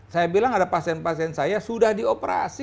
saya bilang ada pasien pasien saya sudah dioperasi